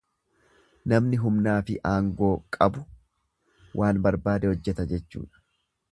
Namni humnaafi aangoo qabu waan barbaade hojjeta jechuudha.